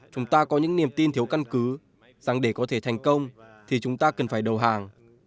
chúng ta có những niềm tin thiếu căn cứ rằng để có thể thành công thì chúng ta cần phải đầu hàng